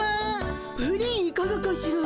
プリンいかがかしら？